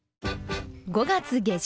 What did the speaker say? ５月下旬。